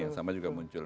yang sama juga muncul